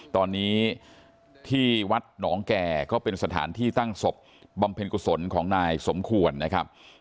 ตอนนี้ที่วัดหนองแก่ก็เป็นสถานที่ตั้งศพบำเพ็ญกุศลของนายสมควรนะครับ